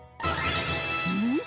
うん！？